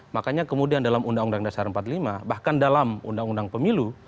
makanya kemudian dalam undang undang dasar empat puluh lima bahkan dalam undang undang pemilu